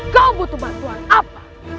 kau butuh bantuan apa